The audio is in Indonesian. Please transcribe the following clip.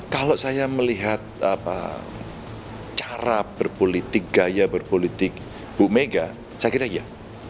kalau saya melihat cara berpolitik gaya berpolitik bu mega saya kira iya